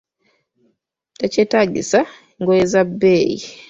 Tekyetaagisa ngoye za bbeeyi.